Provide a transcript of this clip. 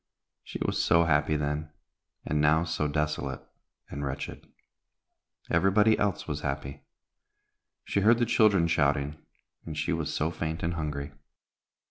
She was so happy then, and now so desolate and wretched. Everybody else was happy; she heard the children shouting, and she was so faint and hungry.